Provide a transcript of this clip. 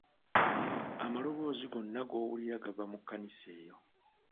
Amaloboozi gonna g'owulira gava mu kkanisa eyo.